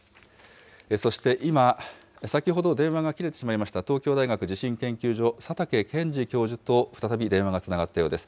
そして今、先ほど電話が切れてしまいました、東京大学地震研究所、佐竹健治教授と再び電話がつながったようです。